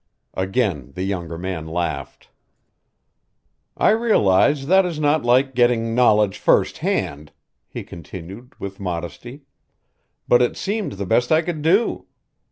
Again the younger man laughed. "I realize that is not like getting knowledge first hand," he continued with modesty, "but it seemed the best I could do.